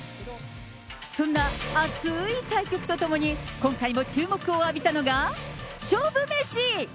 そんな熱い対局とともに、今回も注目を浴びたのが、勝負メシ。